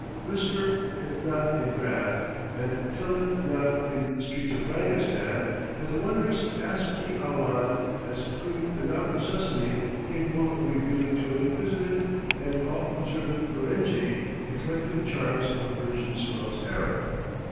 Whisper it not in Gath, and tell it not in the streets of Frangistan, that the wondrous asp i awhan has proved an open sesame capable of revealing to an inquisitive and all observant Ferenghi the collective charms of a Persian swell's harem!